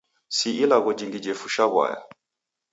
Si ilagho jingi jefusha w'aya.